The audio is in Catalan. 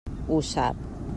Ho sap.